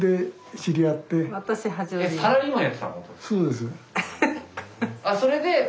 そうです。